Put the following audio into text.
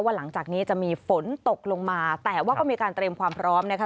หลังจากนี้จะมีฝนตกลงมาแต่ว่าก็มีการเตรียมความพร้อมนะคะ